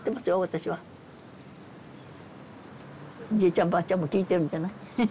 じいちゃんばあちゃんも聞いてるんじゃない？